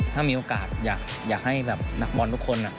ถ้ามีโอกาสอยากให้แบบนักบอลทุกคน